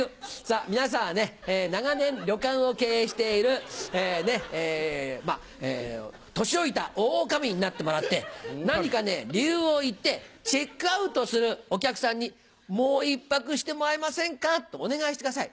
皆さんはね長年旅館を経営している年老いた大女将になってもらって何か理由を言ってチェックアウトするお客さんに「もう１泊してもらえませんか」とお願いしてください。